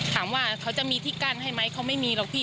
ถามว่าเขาจะมีที่กั้นให้ไหมเขาไม่มีหรอกพี่